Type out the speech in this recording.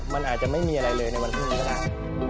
มันอาจจะไม่มีอะไรเลยในวันพรุ่งนี้ก็ได้